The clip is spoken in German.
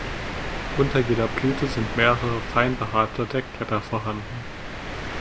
Unter jeder Blüte sind mehrere fein behaarte Deckblätter vorhanden.